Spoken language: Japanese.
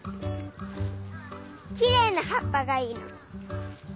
きれいなはっぱがいいの。